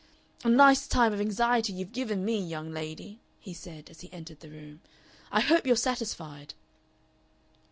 "A nice time of anxiety you've given me, young lady," he said, as he entered the room. "I hope you're satisfied."